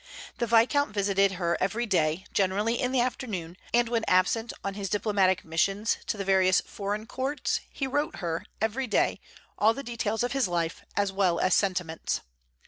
The Viscount visited her every day, generally in the afternoon; and when absent on his diplomatic missions to the various foreign courts, he wrote her, every day, all the details of his life, as well as sentiments.